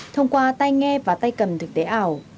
thông qua tay nghe và tay cầm thực tế ảo